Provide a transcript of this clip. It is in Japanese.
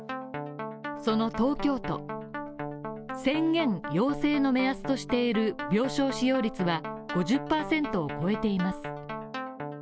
その東京都宣言要請の目安としている病床使用率は５０％を超えています。